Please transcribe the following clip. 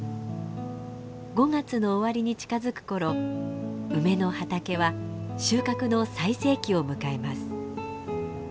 ５月の終わりに近づく頃梅の畑は収穫の最盛期を迎えます。